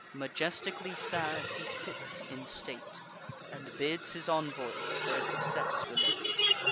Majestically sad, he sits in state, And bids his envoys their success relate.